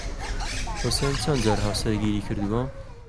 حوسێن چەند جار هاوسەرگیریی کردووە؟